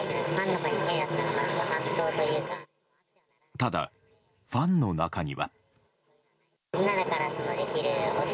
ただファンの中には。